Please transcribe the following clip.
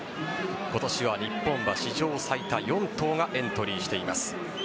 今年は日本馬史上最多４頭がエントリーしています。